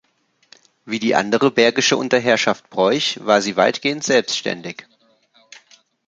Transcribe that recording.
Wie die andere bergische Unterherrschaft Broich war sie weitgehend selbständig.